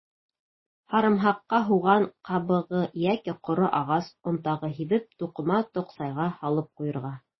Һарымһаҡҡа һуған ҡабығы йәки ҡоро ағас онтағы һибеп, туҡыма тоҡсайға һалып ҡуйырға.